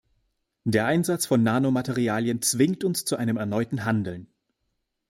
Der Einsatz von Nanomaterialien zwingt uns zu einem erneuten Handeln.